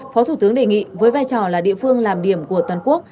phó thủ tướng đề nghị với vai trò là địa phương làm điểm của toàn quốc